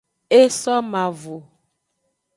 E so mavo.